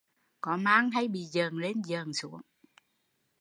Có mang hay bị dợn lên dợn xuống